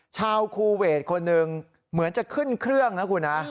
คูเวทคนหนึ่งเหมือนจะขึ้นเครื่องนะคุณนะ